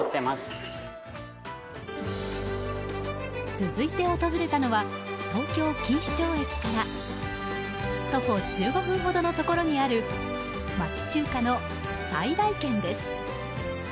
続いて訪れたのは東京・錦糸町駅から徒歩１５分ほどのところにある町中華の菜来軒です。